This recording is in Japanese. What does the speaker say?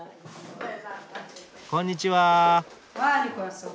こんにちは。